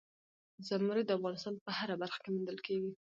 زمرد د افغانستان په هره برخه کې موندل کېږي.